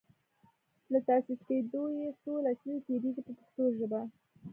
له تاسیس کیدو یې څو لسیزې تیریږي په پښتو ژبه.